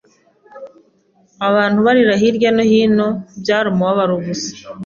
abantu barira hirya no hino, byari umubabaro gusa,